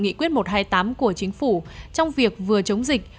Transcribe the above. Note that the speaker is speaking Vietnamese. nghị quyết một trăm hai mươi tám của chính phủ trong việc vừa chống dịch